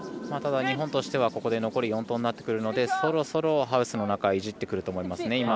日本としてはここで残り４投となってくるのでそろそろハウスの中いじってくると思いますね。